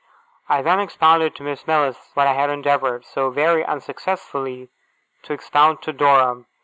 I then expounded to Miss Mills what I had endeavoured, so very unsuccessfully, to expound to Dora.